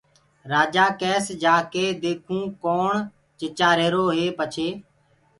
رآجآ ڪيس جاڪي ديکونٚ ڪوڻ چِچآهيٚروئي پڇي